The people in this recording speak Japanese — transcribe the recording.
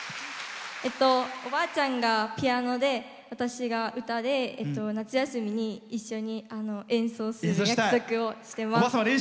おばあちゃんがピアノで私が歌で夏休みに一緒に演奏する約束をしてます。